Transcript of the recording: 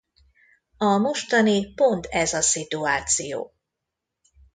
A mostani pont ez a szituáció.